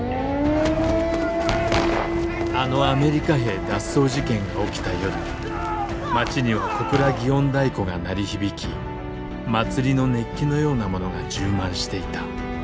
あのアメリカ兵脱走事件が起きた夜街には小倉園太鼓が鳴り響き祭りの熱気のようなものが充満していた。